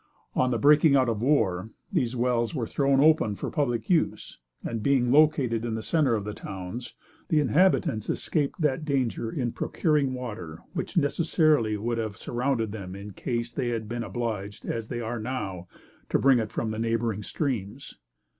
On the breaking out of war, these wells were thrown open for public use, and, being located in the centre of the towns, the inhabitants escaped that danger in procuring water which necessarily would have surrounded them in case they had been obliged, as they are now, to bring it from the neighboring streams.